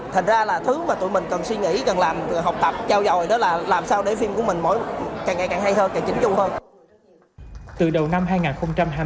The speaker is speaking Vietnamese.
thành ra là thứ mà tụi mình cần suy nghĩ cần làm học tập trao dòi đó là làm sao để phim của mình càng ngày càng hay hơn càng chính trung hơn